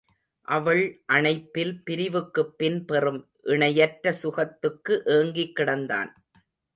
அவள் அணைப்பில் பிரிவுக்குப்பின் பெறும் இணையற்ற சுகத்துக்கு ஏங்கிக் கிடந்தான்.